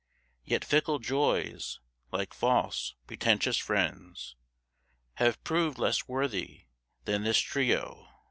Yet fickle joys, like false, pretentious friends, Have proved less worthy than this trio.